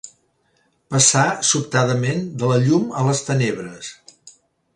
Passar sobtadament de la llum a les tenebres.